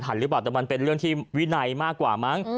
แต่มันเป็นเรื่องที่วินัยมากกว่ามั้ง